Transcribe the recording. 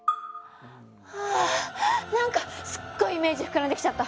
あ何かすっごいイメージ膨らんできちゃった！